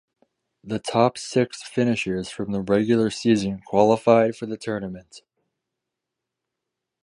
The top six finishers from the regular season qualified for the tournament.